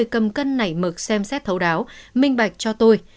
cầm cân nảy mực xem xét thấu đáo minh bạch cho tôi